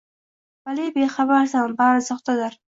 vale bexabarsan, bari sohtadir.